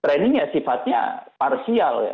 training ya sifatnya parsial ya